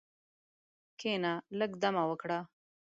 کښېنه، لږ دم وکړه.